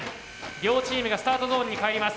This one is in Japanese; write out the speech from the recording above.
両チームがスタートゾーンに帰ります。